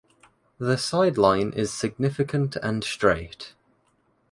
The sideline is significant and straight.